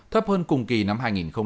thấp hơn cùng kỳ năm hai nghìn một mươi tám